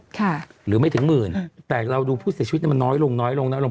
ค่ะหรือไม่ถึงหมื่นแต่เราดูผู้เสียชีวิตเนี่ยมันน้อยลงน้อยลงนะลง